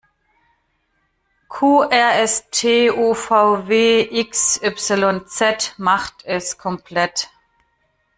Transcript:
Q-R-S-T-U-V-W-X-Y-Z macht es komplett!